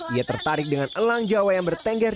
ia tertarik dengan elang jawa yang bertengger